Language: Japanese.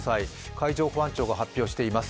海上保安庁が発表されています。